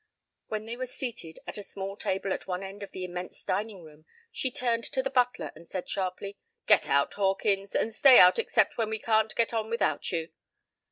When they were seated at a small table at one end of the immense dining room she turned to the butler and said sharply: "Get out, Hawkins, and stay out except when we can't get on without you."